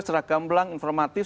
secara gamblang informatif